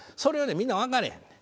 みんなわかれへんねん。